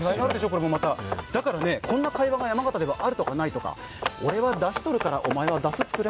だから、こんな会話が山形ではあるとか、ないとか。俺はだしとるから、お前はだす作れ。